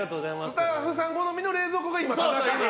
スタッフさん好みの冷蔵庫が今、田中家に。